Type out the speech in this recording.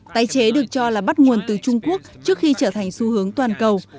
tái chế được cho là bắt nguồn từ trung quốc trước khi trở thành xu hướng toàn cầu